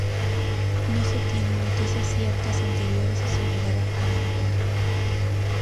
No se tienen noticias ciertas anteriores a su llegada a Aragón.